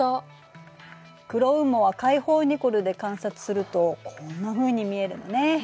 黒雲母は開放ニコルで観察するとこんなふうに見えるのね。